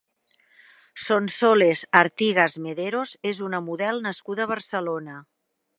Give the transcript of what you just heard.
Sonsoles Artigas Mederos és una model nascuda a Barcelona.